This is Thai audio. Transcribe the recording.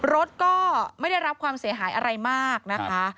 รถก็ไม่ได้รับความเสียหายอะไรมากนะคะ